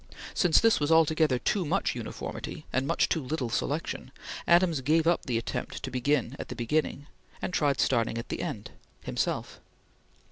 Since this was altogether too much uniformity and much too little selection, Adams gave up the attempt to begin at the beginning, and tried starting at the end himself.